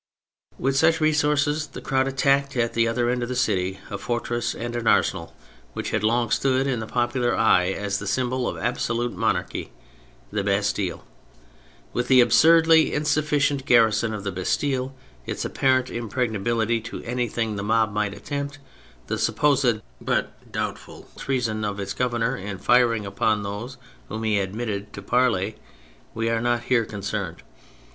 With such resources the crowd attacked, at the other end of the city, a fortress and arsenal which had long stood in the popular eye as the symbol of absolute monarchy, the Bastille. With the absurdly insufficient garrison of the Bastille, its apparent impregnability to any thing the mob might attempt, the supposed but doubtful treason of its governor in firing upon those whom he had admitted to parley, we are not here concerned.